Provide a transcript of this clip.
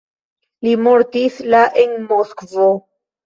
Li mortis la en Moskvo.